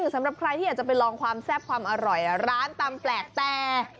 สำหรับใครที่อยากจะไปลองความแซ่บความอร่อยร้านตำแปลกแต่